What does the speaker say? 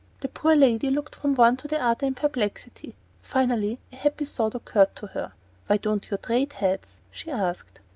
The poor lady looked from one to the other in perplexity. Finally a happy thought occurred to her. "Why don't you trade heads?" she asked.